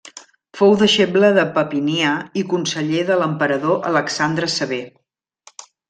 Fou deixeble de Papinià i conseller de l'emperador Alexandre Sever.